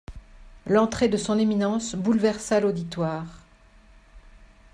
L’entrée de son éminence bouleversa l’auditoire.